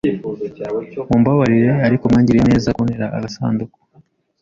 Mumbabarire ariko, mwangiriye neza kuntera agasanduku?